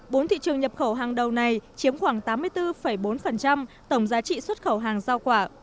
bốn thị trường nhập khẩu hàng đầu này chiếm khoảng tám mươi bốn bốn tổng giá trị xuất khẩu hàng giao quả